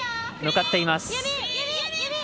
向かっています。